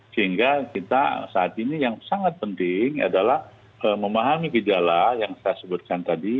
sehingga kita saat ini yang sangat penting adalah memahami gejala yang saya sebutkan tadi